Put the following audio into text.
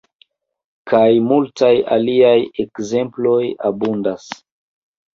Kaj multaj aliaj ekzemploj abundas.